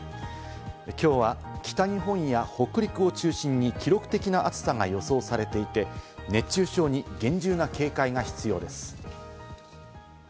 きょうは北日本や北陸を中心に記録的な暑さが予想されていて、熱中症に厳重な警戒が必要です。